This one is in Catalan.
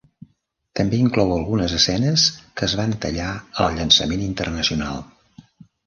També inclou algunes escenes que es van tallar al llançament internacional.